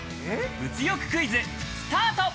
物欲クイズスタート！